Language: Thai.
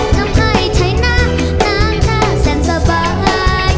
ทำให้ใช้หน้าน้ำหน้าแสนสบาย